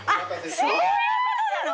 そういうことなの？